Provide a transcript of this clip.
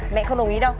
mẹ không đồng ý đâu